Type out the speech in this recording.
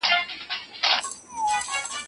په رښتینې مطالعه کي خوند او رنګ وي.